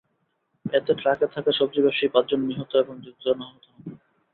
এতে ট্রাকে থাকা সবজি ব্যবসায়ী পাঁচজন নিহত এবং একজন আহত হন।